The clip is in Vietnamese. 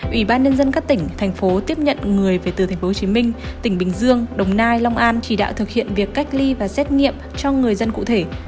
ủy ban nhân dân các tỉnh thành phố tiếp nhận người về từ tp hcm tỉnh bình dương đồng nai long an chỉ đạo thực hiện việc cách ly và xét nghiệm cho người dân cụ thể